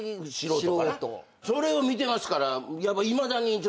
それを見てますから。